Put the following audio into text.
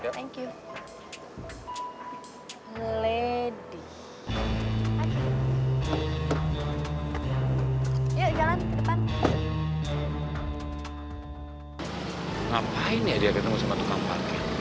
oke deh mbak